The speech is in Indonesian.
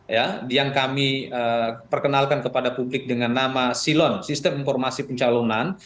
ya yang kami perkenalkan kepada publik dengan nama silon sistem informasi pencalonan